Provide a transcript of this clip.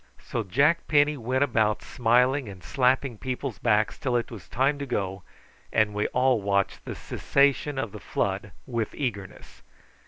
So Jack Penny went about smiling and slapping people's backs till it was time to go, and we all watched the cessation of the flood with eagerness.